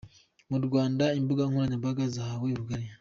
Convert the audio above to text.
Mu Rwanda imbuga nkoranyambaga zahawe rugari.